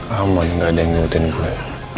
hai aman nggak ada yang ngerti gue